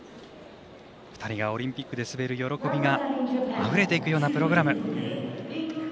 ２人がオリンピックで滑る喜びがあふれていくようなプログラム。